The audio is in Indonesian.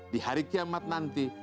di hari kiamat nanti